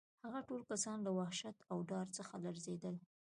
هغه ټول کسان له وحشت او ډار څخه لړزېدل